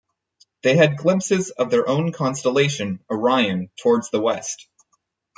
They had glimpses of their own constellation, Orion, towards the west.